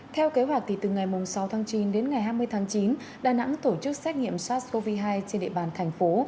theo kế hoạch thì từ ngày sáu tháng chín đến ngày hai mươi tháng chín đà nẵng tổ chức xét nghiệm sars cov hai trên địa bàn thành phố